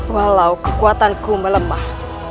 walau kekuatanku melemah